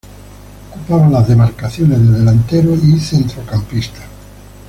Ocupaba las demarcaciones de delantero y centrocampista.